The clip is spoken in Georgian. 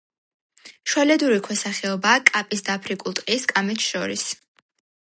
შუალედური ქვესახეობაა კაპის და აფრიკულ ტყის კამეჩს შორის.